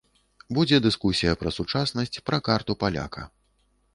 Будзе дыскусія пра сучаснасць, пра карту паляка.